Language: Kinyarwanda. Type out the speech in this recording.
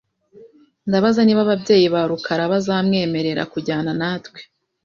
Ndabaza niba ababyeyi ba rukara bazamwemerera kujyana natwe .